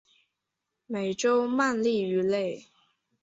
美洲鳗鲡鱼类。